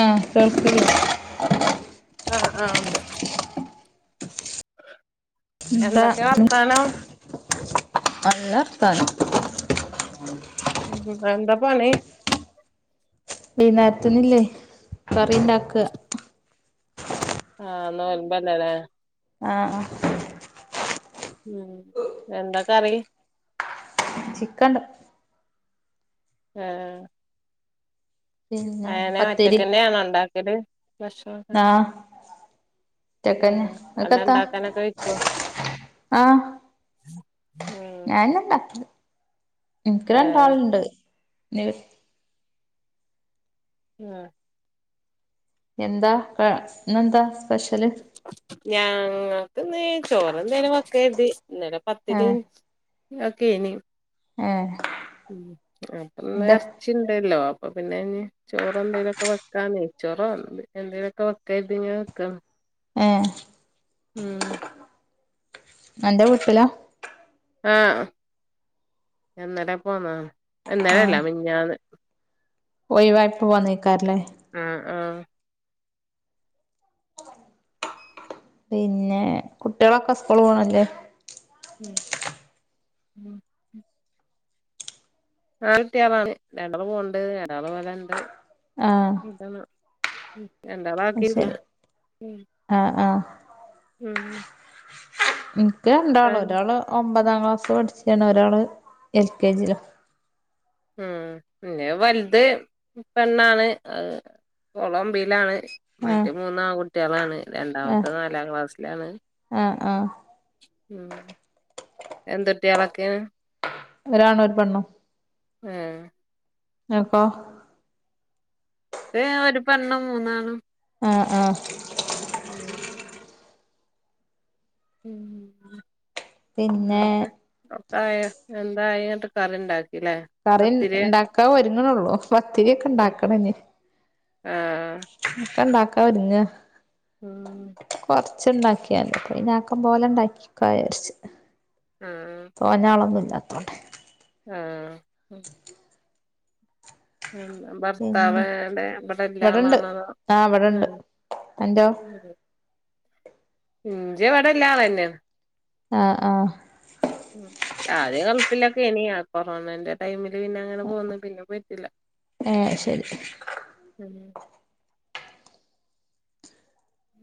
ആഹ് കേൾക്കി ആഹ് ആഹ് ഉണ്ട് ധ എന്തൊക്കെ വർത്താനം അല്ല താനോ എന്താ പണി കറീണ്ടാക്ക ആ നൊയമ്പല്ലാലേ ആ ആ ഉം എന്താ കറി ആഹ് ചിക്കൻണ്ട് ഏ ആ പിന്നെ അയനെ പത്തിരി ഒറ്റക്കന്നെയാണോ ഉണ്ടാക്കല് ഭക്ഷണൊക്കെ ആഹ് ഉച്ചക്കന്നെ എല്ലാം ഇങ്ങക്കെത്താ ഇണ്ടാക്കാനൊക്കെ വയ്ക്കോ ഞാൻന്നെ ഉണ്ടാക്കിത് എനിക്ക് ഏഹ് രണ്ടാളുണ്ട്. ന് ഉം എന്താ. ക ഇന്നെന്താ സ്പെഷ്യല് ഞങ്ങൾക്ക്ന്ന് ചോറെന്തേനും വക്ക കരുതി ഇന്നലെ പത്തിരി ഏഹ് ഒക്കേന് ഏ ഉം അപ്പൊന്ന് ഇറച്ചിണ്ടല്ലോ അപ്പൊ പിന്നെ ഇനി ചോറ് എന്തേലുമൊക്കെ വെക്കാ നെയ് ചോറോ എ എന്തേലുമൊക്കെ വെക്കാന്ന് കരുതി ഇങ്ങനെ നിക്കാണ് ഏ ഉം എന്റെ വീട്ടിലാ ആ എന്നടേ പോന്നാ. എന്നടെ അല്ലാ മിഞ്ഞാന്ന്. ഒയി വായിപ്പെ വന്ന് നിക്കാറില്ലേ. ആ ആ പിന്നെ കുട്ടികളൊക്കെ സ്കൂൾ പോണല്ലേ ഉം ഉം നാൽകുട്ടികളാണ്. രണ്ടെണ്ണംപോണ്ട് ഒരാള് ഇവിടെണ്ട് ആ രണ്ടാളെ ആക്കീണ്ട്ള ആഹ് ആഹ് ഉം എനിക്ക് രണ്ടാള് ഒരാള് ഒമ്പതാം ക്ലാസ് പഠിച്ച് ണ് ഒരാള് എൽ കെ ജിയിലും. ഉം പിന്നെ വലുത് പെണ്ണാണ് അത് കൊളമ്പിയിലാണ് ആഹ് മറ്റേ മൂന്നാൺകുട്ടികളാണ്. രണ്ടാമത്തെ നാലാം ക്ലാസ്സിലാണ്. ആ ആ ഉം എന്തുട്ടികളൊക്കെയാണ്. ഒരാണ് ഒരു പെണ്ണും. ഏ ഇങ്ങക്കോ? ഇവടെ ഒരു പെണ്ണും മൂന്നാണും. ആ ആ ഉം ഉം ഉം പിന്നെ അന്നിട്ട് ഒക്കായാ എന്താ ആയി എന്നിട്ട് കറീണ്ടാ കറി ഇണ്ടാക്കാ ഒരുങ്ങണുള്ളൂ പത്തിരി ഒക്കെ ഉണ്ടാക്കണം ഇനി ആഹ് ഒക്കെ ഇണ്ടാക്കാൻ ഒരുങ്ങാ ഉം അച്ച ഉണ്ടാക്കിയാല് ഇനക്കം പോലെ ഉണ്ടാക്കാം വിചാരിച്ച് ആഹ് തോന്നളൊന്നും ഇല്ല ലത്തോട്ടെ ആഹ് മ്മ് പിന്നെ ഭർത്താവ് എവടെ ഇവിടെ ഇള്ള ആളാണോ അതോ മ്മ് എന്തോ ഇഞ്ച ഇവിടൊല്ല ആളന്നെ ആഹ് ആഹ് മ്മ് ആദ്യം ഗൾഫിലൊക്കെയെനു പിന്നെയാ കൊറോണന്റെ ടൈമിലാ പിന്നെ അങ്ങനെ പോന്ന പിന്നെ പോയിട്ടില്ല ഏഹ് ശരി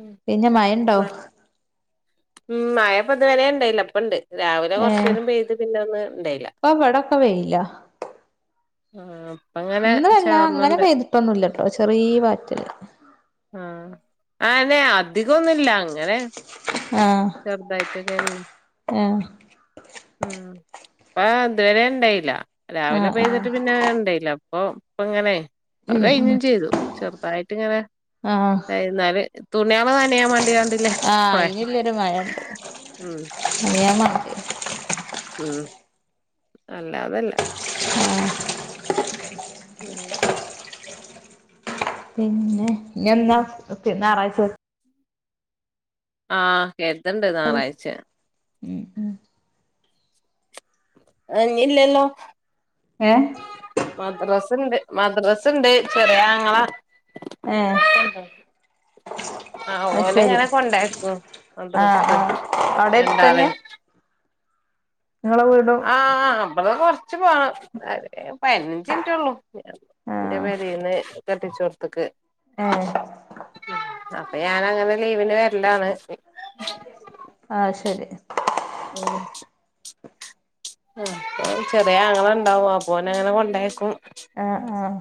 ഉം പിന്നെ മയ ഇണ്ടോ മ്മ് മയ ഇപ്പം ഇതുവരെ ഇണ്ടായില്ല ഇപ്പ ഉണ്ട് രാവിലെ കൊറച്ച് ഏഹ് നേരം പെയ്ത് പിന്നെ ഒന്നും ഉണ്ടായില്ല ഇപ്പൊ ഇവിടൊക്കെ വെയിലാ ആഹ് ഇന്ന് വല്ല അങ്ങനെ പെയ്തിട്ടൊന്നുംല്ലട്ടോ ചെറിയ പാറ്റല് ആഹ് ആനെ അധികം ഒന്നുല്ല അങ്ങനെ ആഹ് ചെറുതായിട്ടൊക്കെ ആഹ് മ്മ് അപ്പ അതുവരെ ഇണ്ടായില്ല രാവിലെ ആഹ് ആഹ് പെയ്തിട്ട് പിന്നെ ഇണ്ടായില്ല അപ്പൊ ഇപ്പ ഇങ്ങനെ അത് ഉം ഉം കഴിഞ്ഞും ചെയ്തു ചെറുതായിട്ട് ഇങ്ങനെ ആഹ് എന്നാല് തുണിയാള് നനയാൻ വേണ്ടി കണ്ടില്ലേ ആഹ് അയിനുല്ലൊരു മഴണ്ട് [unintelligible] മ്മ് അല്ല അതല്ല മ്മ് പിന്നെ ഇഞ്ഞെന്നാ ഞായറാഴ്ച ആഹ് കേത്തിണ്ട് ഞായറാഴ്ച മ്മ് മ്മ് അയിനിഞ്ഞില്ലല്ലോ ഏഹ് മദ്രസ ണ്ട് മദ്രസ ഇണ്ട് ചെറിയ ആങ്ങള ഏഹ് ആഹ് അത് ശരി ഓലെങ്ങനെ കൊണ്ടാക്കും ആഹ് മദ്രസക്ക് ആഹ് അവിടെ തന്നെ രണ്ടാളേം ആഹ് അമ്മള് കൊറച്ച് പോണം പതിനഞ്ച് മിനിറ്റേ ഉള്ളൂ ഞാൻ എന്റെ ആഹ് പേരെന്ന് കെട്ടിച്ചോട്ത്ത്ക്ക് ഏഹ് അപ്പൊ ഞാൻ അങ്ങനെ ലീവിന് വരലാണ് ആഹ് ശരി മ്മ് ആ ചെറിയ ആങ്ങള ഉണ്ടാവും അപ്പോ ഓൻ അങ്ങനെ കൊണ്ടായിക്കും ആഹ് ആഹ്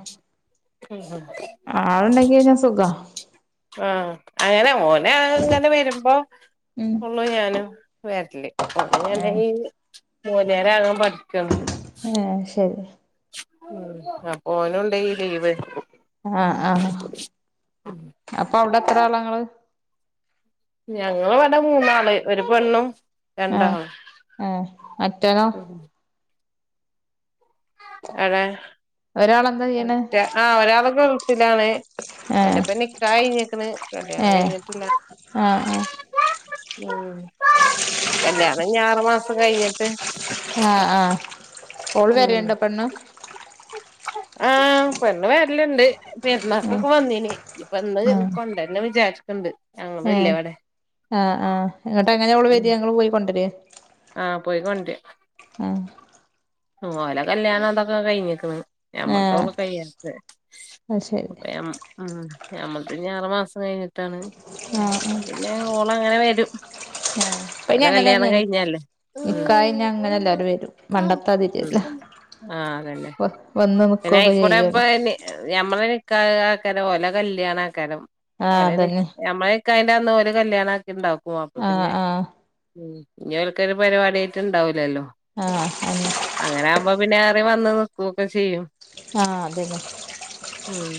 മ്മ് മ്മ് ആളുണ്ടെങ്കി കയിഞ്ഞാ സുഖ ആഹ് അങ്ങനെ ഓനെ അങ്ങനെ വരുമ്പോ ഉം ഉള്ളു ഞാനും വരല് ഓനങ്ങനെ ഏഹ് മൊയ്ലാര്യാകാൻ പഠിക്കുവാണ് [unintelligible] ഏഹ് ശരി മ്മ് അപ്പോ ഓനും ഇണ്ടേ ഈ ലീവ് ആഹ് ആഹ് അപ്പൊ അവിടെ എത്ര ആളാ ഇങ്ങള് ഞങ്ങള് വേടെ മൂന്നാള് ഒരു പെണ്ണും ആഹ് രണ്ടാണും ഏഹ് മറ്റോനോ മ്മ് ഏടെ ഒരാളെന്താ ചെയ്യണ് മറ്റെ ആഹ് ഒരാള് ഗൾഫിലാണ് ഓൻ്റെ ഏഹ് ഇപ്പം നിക്കാഹ് കഴിഞ്ഞക്കണ് കല്യാണം ഏഹ് കഴിഞ്ഞിട്ടില്ല ആഹ് ആഹ് മ്മ് കല്യാണം ഇനി ആറു മാസം കഴിഞ്ഞിട്ട് ആ ആ ഓൾ വെരെണ്ടോ പെണ്ണ് ആ പെണ്ണ് വെര്ൽ ഇണ്ട് പെരുന്നാക്കൊക്കെ വന്നീനി ഇഞ് ഇപ്പ ഇന്ന് കൊണ്ടര്ണം വിചാരിക്ക്ണ്ട് ഇണ്ട് ഏ ആ ആ ഇങ്ങട്ട് എങ്ങനെ ഓൾ വെരാ ഇങ്ങൾ പോയി കൊണ്ടരെ ആ പോയിക്കോണ്ട്യ ആഹ് ഓല കല്യാണം അതൊക്കെ കഴിഞ്ഞിക്ക്ണ് ഞമ്മൾ ആഹ് തൊള്ളു കയ്യാത്തത് അത് ശരി അപ്പ ഞമ്മ് ഉം ഞമ്മൾത് ഇഞ് ആറ് മാസം കഴ്ഞ്ഞ്ട്ടാണ് ആഹ് അപ്പ പിന്നെ ഓൾ അങ്ങനെ വെരും ആ ഇപ്പ അയിൻ അങ്ങനെന്നെയ്നി ഉം നിക്കാഹിന് അങ്ങനെ എല്ലാരും വെരും പണ്ടത്തെ ഉം ആ അതെന്നെ വന്ന് പിന്നെ നിക്കൊക്കെ അയിക്കൂടെ ഇപ്പ ചെയ്യോല്ലോ നി ഞമ്മളെ നിക്കാഹ് ക്കാഹ്, ൻ ഓലെ കല്യാണം ആക്കാരം ആഹ് ഓലെ നിക്ക് അതന്നെ നമ്മളെ നിക്കാഹിന്റെ അന്ന് ഓലെ കല്യാണ ആ ഇഞ് ഇണ്ടാക്കും അപ്പ ആഹ് പിന്നെ ആഹ് ഉം ഇഞ് ഒൽക്കൊര് പരിപാടി ആയിട്ട് ഇണ്ടായൂലല്ലോ ആ അങ്ങനെ ആവുമ്പ പിന്നെ ഏറിം വന്ന് നിക്കൊക്കെ ചെ ചെയ്യും ആഹ് അതന്നെ ഉം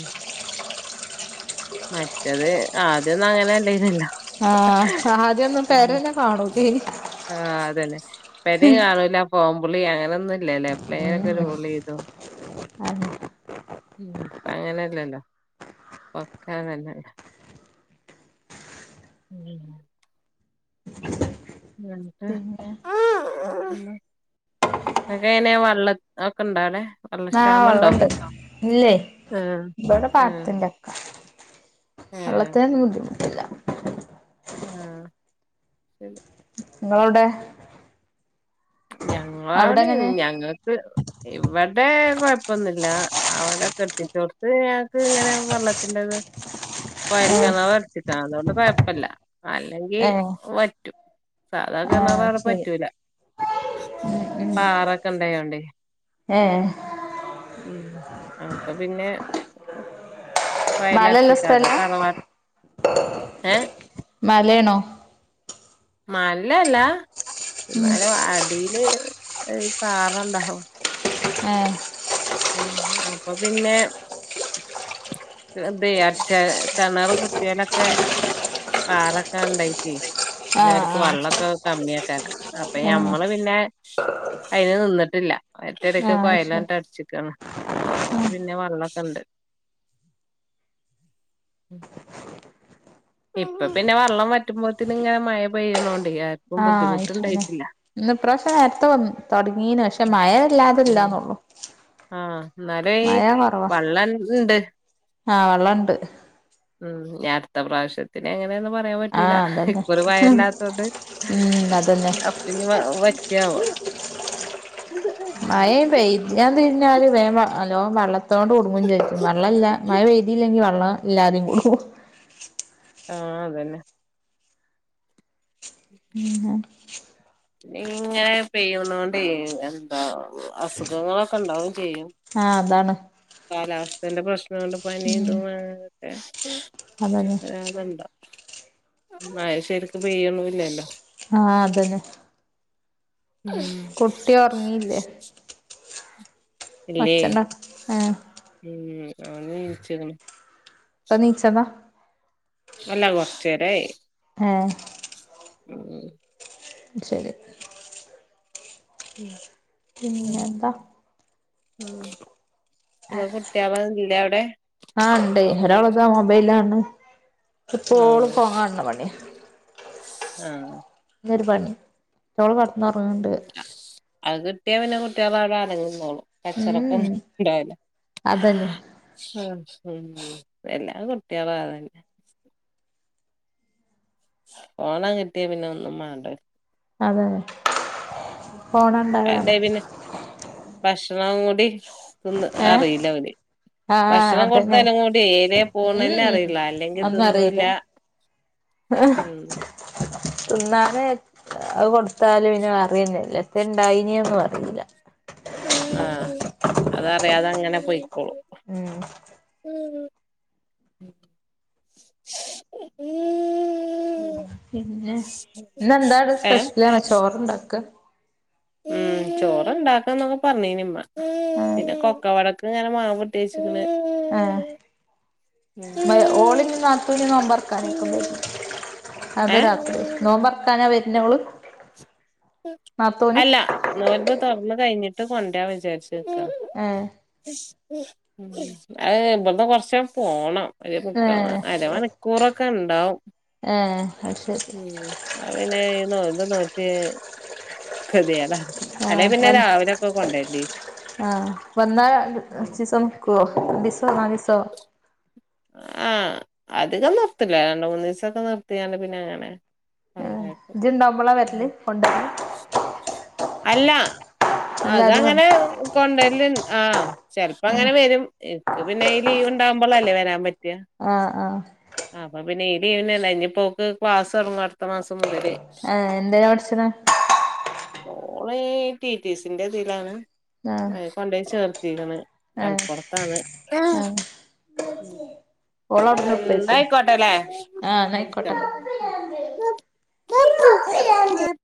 മറ്റത് ആദ്യൊന്നും അങ്ങനെ ഇണ്ടായിരുന്നില്ല ആഹ് ആദ്യൊന്നും ഉം പെരന്നെ കാണൂലേനി ആ അതെന്നെ [unintelligible] കാണൂലാ [unintelligible] വുളി അങ്ങനെ ഒന്നും ഇല്ലലെ എപ്പളേലും ഒക്കെ ഒരു വുളി ഇതും അതെ ഉം ഇപ്പ അങ്ങനെ ഇല്ലല്ലോ ഇപ്പ ഒക്കെ അങ്ങൻ തന്നെ അല്ലെ ഉം [unintelligible] ഇങ്ങക്ക് പിന്നെ എങ്ങനെ വള്ള അയൊക്കെ ഇണ്ടാ ഒയുടെ വള്ള ആഹ് ക്ഷാമ ഇണ്ടോ വെള്ളണ്ട് ഇല്ലേ ഏ ആ വള്ളത്തിന് അയിന് ബുദ്ധിമുട്ട് ഇല്ല ആ ശരി ഇങ്ങളെ അയുടെ ഞങ്ങളവിടെ ഞങ്ങൾക്ക് ഇവ വടെ കൊഴപ്പൊന്നും ഇല്ല അവടെ കെട്ടിച്ചോട്ത്ത് ഞങ്ങക്ക് ഇങ്ങനെ വള്ളത്തിന്റെ ഇത് ഏഹ് കൊഴക്ക്ണെ വെർത്തിട്ട അതോണ്ട് കൊഴപ്പ ഇല്ല അല്ലെങ്കി ഏഹ് വറ്റും സാധാ ആഹ് കെണറാൾ ശരി വറ്റൂലാ ഉം ഉം പാറൊക്കെ ഇണ്ടായോണ്ടെ ഏഹ് ഉം അപ്പൊ പിന്നെ മലല്ല വയലടച്ചിട്ടാവിടെ സ്ഥലാ തറവാ ഏ മലെണോ നല്ലെ അല്ല ഉം ഇന്നാലും അഡ് ടീൽ ഒര് പാറ ഇണ്ടാവും ഏ ഉം അപ്പൊ പിന്നെ ദെ അട്ച്ചേരാ കെണർ കുത്തിയൊലൊക്കെ പാറ ഒക്കെ ഇണ്ടായിറ്റേ പിന്നെ അവര്ക്ക് ആഹ് വള്ളൊക്കെ കമ്മിയാക്കാലം അപ്പൊ ആഹ് ഏഹ് ഞമ്മള് പിന്നെ അയിന് നിന്നിട്ടില്ല. ട്ടെയെര് ഒക്കെ ആഹ് ശരി കൊയലാണ്ട് അട്ച്ചെക്കാണ് അതോണ്ട് പിന്നെ വള്ളൊക്കെ ഇണ്ട് ഉം ഇപ്പ പിന്നെ വള്ളം വറ്റുമ്പോത്തിന് ഇങ്ങനെ മഴ പെയ്യ്ണോണ്ടെ ആര്ക്കും ആഹ് ബുദ്ധിമുട്ട് ആഹ് ഇണ്ടായിട്ടില്ല ഇന്ന് ഇപ്രാവശ്യം നേര്ത്തെ വന്നു തൊടങ്ങീന് പക്ഷെ മഴ വല്ലാതെ ഇല്ലന്നൊള്ളു ആ എന്നാലൈ വെള്ളം ഇ ഇണ്ട് ആ വള്ളം ഇണ്ട് ഉം ഇഞ് അട്ത്ത പ്രാവ്ശ്യത്തിന് പ്പളെ ഒന്നും പറയാൻ പറ്റൂലാ ആഹ് അതന്നെ ഇപ്പ ഒരു മഴ ഇല്ലാത്തോണ്ട് ഉം അതന്നെ അപ്പ ഇഞ്ഞ് വറ്റാവോ മഴ പെയ്യാൻ തിരിഞ്ഞാല് നല്ലോ വെള്ള ത്തോണ്ട് കുടുങ്ങും ചെയ്യും വെള്ളം ഇല്ല മഴ പെയ്തില്ലെങ്കിൽ വെള്ളം ഇല്ലാതിം കുടുങ്ങും ആഹ് അതന്നെ ഉം ങ്ങനെ പെയ്യുന്നൊണ്ട് എന്താ അസുഖങ്ങളൊക്കെ ഇണ്ടാവും ചെയ്യും ആഹ് അതാണ് കാലാവസ്ഥന്റെ പ്രശ്നം കൊണ്ട് പനി ഇതു ഉം അങ്ങനെ ക്കെ അതന്നെ അരാതണ്ടോ മഴ ശരിക്ക് പെയ്യ്ണില്ലല്ലോ ആഹ് അതന്നെ ഉം. കുട്ടി ഉറങ്ങില്ലേ ഇല്ലേ ഏഹ് ഉം അവന് ച്ച്ക്ണ് പ നീച്ചതാ എല്ലാ കൊറച്ചേരായി ഏ ഉം ശരി ഉം പിന്ന എന്താ ഉം ഇങ്ങളെ കുട്ടിയള്ല്ല അവിടെ ആഹ് ഉണ്ടേ ഒറങ്ങാ ഒരാളിതാ മൊബൈലാണ് ഇപ്പോളും ആഹ് ഫോൺ കാൺണ പണിയാ ആഹ് രു പണി ള്റ്റോ കട്ന്നൊറങ്ങ്ണ്ട് അത് കിട്ടിയാ പിന്നെ കുട്ടികള് അവിടെ അടങ്ങിന്നോളും ഉം കച്ചറക്കൊന്നും ഉണ്ടാവൂല അതന്നെ ഉം ഉം എല്ലാ കുട്ടികളും അതെന്നെ ഫോണട് കിട്ടിയ പിന്നെ ഒന്നും വണ്ട അതെ അതെ പിന്നെ ഭക്ഷണം കൂടി തിന്ന് ഏ അറിയീല ഓല് ആഹ് ഭക്ഷണം അതന്നെ കൊടുത്താലും കൂടി എയ്ലെ ഉം പോണന്നെ ഉം അറിയില്ല അല്ലെങ്കി അതൊന്നും അറിയില്ല തിന്നൂല ഉം തിന്നാനേ അത് കൊടുത്താലും ഇന അറിയെന്നെല്ല ന്തേ ഇണ്ടായിനൊന്നും അറിയില്ല ആഹ് അതറിയാതെ അങ്ങനെ പോയിക്കോളും ഉം ഉ ഉ പിന്നെ ഇന്നെന്താ ഏ സ്പെഷ്യലാണോ ചോറുണ്ടാക്ക ഉം ചോറ് ണ്ടാക്കണം എന്നൊക്കെ പറഞ്ഞീനിമ്മ ആഹ് പിന്നെ കൊക്കവാടക് ക്ക് ഞങ്ങള് മാവൂട്ടി വെച്ച് ആ ഉം ഏ ഓളിഞ്ഞ് നാത്തൂന് നോമ്പറക്കാനേക്കും വര അത് ഏഹ് രാത്രി നോമ്പറക്കാനാ വര്ന്നെ ഓള് അല്ല നോല്മ്പോ തൊറന്ന് കഴിഞ്ഞിട്ട് കൊണ്ടരാ വിചാരിച്ച് ക്കാ ആഹ് അത് ഇബട്ന്ന് കൊറച്ച് പോണം ഒരു മുക്ക ഏഹ് അരമണിക്കൂറൊക്കെ ഉണ്ടാവും ഏഹ് അത് ശരി ഉം അപ്പന്നെ നോമ്പും നോറ്റ് കെതിയേട അല്ലെ ആഹ് പിന്നെ വ രാവിലെ ഒക്കെ കൊണ്ടല്ലേ ആഹ് വന്നാ കൊറച്ചീസം നിക്കുവോ രണ്ടീസോ നാലീസോ ആഹ് അധികം നിർത്തില്ല രണ്ട് മൂന്നീസൊക്കെ നിർത്തിയാണ്ട് പിന്നെ അങ്ങനെ കൊണ്ടാക്കും ഇത്ണ്ടുമ്പോളാ വരല് കൊണ്ട അല്ല അതങ്ങനെ കൊണ്ട ആഹ ചിലപ്പപ്പോ അങ്ങനെ ആഹ് വരും എനിക്ക് പിന്നെ ഈ ലീവ് ഉണ്ടാവുമ്പോൾ അല്ലേ വരാ ആഹ ആഹ അപ്പൊ പിന്നെ ഇല ഈവന അല്ല അനി പോക്ക് ക്ലാസ് തുടങ്ങും അടുത്ത മാസം മുതല് ആഏ എന്തതിനാ പഠിച്ചത ഓള റ്റിറ്റീസിന്റെ ഇതിലാണ് ആഹ് അത് കൊണ്ട ചർ ീ ഏഹ് മലപ്പുറത്താണ് ആഹ് ഓളവ്ട്ന്ന് ഇട്ത്തയ്ക്കും എന്തയിക്കോട്ടെല്ലെ ആഹ് ന്നാ വിളിച്ചണ്ട് അയ്ക്കോട്ടെ ആ